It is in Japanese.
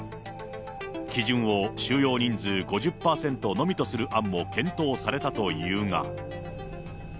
基準を収容人数５０％のみとする案も検討されたというが。